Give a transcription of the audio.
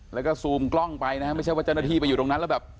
แล้วก็ซูมกล้องไปนะฮะไม่ใช่ว่าเจ้าหน้าที่ไปอยู่ตรงนั้นแล้วแบบ